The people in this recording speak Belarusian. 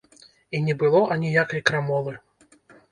І не было аніякай крамолы!